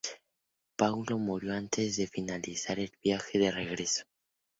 Paulo murió antes de finalizar el viaje de regreso.